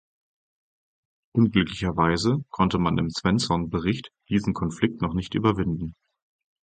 Unglücklicherweise konnte man im Svensson-Bericht diesen Konflikt noch nicht überwinden.